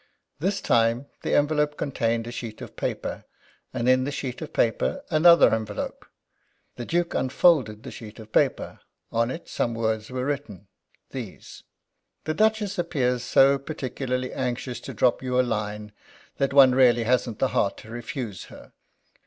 This time the envelope contained a sheet of paper, and in the sheet of paper another envelope. The Duke unfolded the sheet of paper. On it some words were written. These: "The Duchess appears so particularly anxious to drop you a line, that one really hasn't the heart to refuse her.